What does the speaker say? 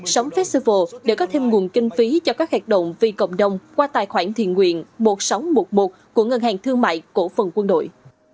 sống festival để có thêm nguồn kinh phí cho các hoạt động vì cộng đồng qua tài khoản thiện nguyện một nghìn sáu trăm một mươi một của ngân hàng thương mại cổ phần quân đội